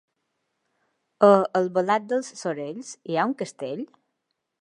A Albalat dels Sorells hi ha un castell?